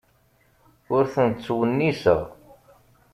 Ur tent-ttwenniseɣ.